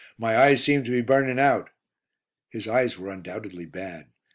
My eyes seem to be burning out." His eyes were undoubtedly bad.